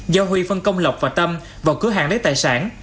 giao huy phân công lọc và tâm vào cửa hàng lấy tài sản